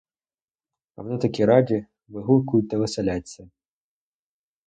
А вони такі раді, вигукують та веселяться.